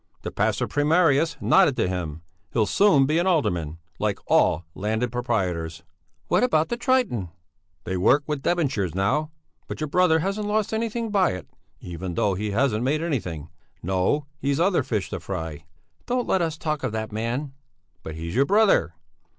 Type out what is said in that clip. The pastor primarius nodded to him. He'll soon be an alderman, like all landed proprietors." "What about the 'Triton'?" "They work with debentures now; but your brother hasn't lost anything by it, even though he hasn't made anything. No, he's other fish to fry!" "Don't let us talk of that man." "But he's your brother!"